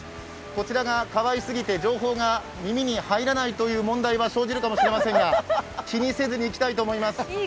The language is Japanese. こちらがかわいすぎて情報が耳に入らないという問題は生じるかもしれませんが、気にせずに行きたいと思います。